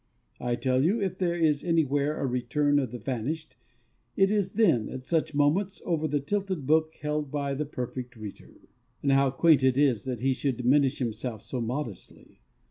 I tell you, if there is anywhere a return of the vanished, it is then, at such moments, over the tilted book held by the Perfect Reader. And how quaint it is that he should diminish himself so modestly.